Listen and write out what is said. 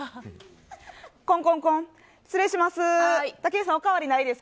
コンコンコン、失礼します。